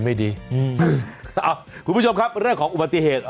คุณผู้ชมครับเรื่องของอุบัติเหตุ